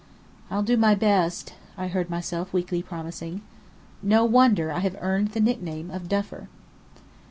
"I'll do my best," I heard myself weakly promising. No wonder I have earned the nickname of Duffer!